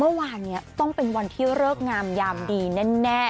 เมื่อวานนี้ต้องเป็นวันที่เลิกงามยามดีแน่